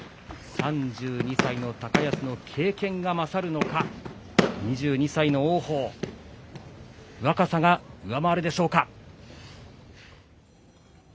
３２歳の高安の経験が勝るのか、２２歳の王鵬、若さが上回るでしょうか。